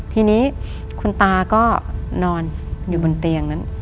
ทีนี้คุณตาก็นอนอยู่บนเตียงนั้น